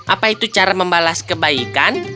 apa itu cara membalas kebaikan